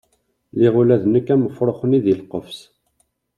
Lliɣ ula d nekk am ufrux-nni deg lqefs.